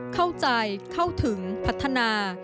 เข้าใจเข้าถึงพัฒนา